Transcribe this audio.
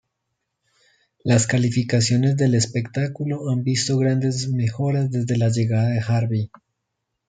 Las calificaciones del espectáculo han visto grandes mejoras desde la llegada de Harvey.